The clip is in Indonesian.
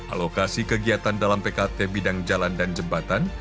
alokasi kegiatan dalam pkt bidang jalan dan jembatan